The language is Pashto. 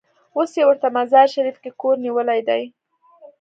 اوس یې ورته مزار شریف کې کور نیولی دی.